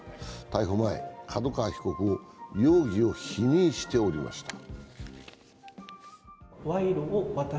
逮捕前、角川被告は容疑を否認しておりました。